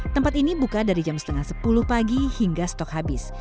tempat ini buka dari jam setengah sepuluh pagi hingga stok habis